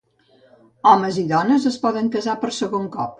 Homes i dones es poden casar per segon cop.